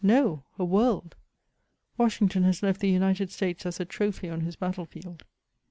— No ! a world ! Washington has left the United States as a trophy on his battle field.